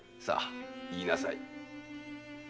さあ言いなさい。